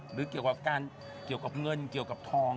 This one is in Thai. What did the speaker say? หรือเกี่ยวกับเงินเกี่ยวกับทอง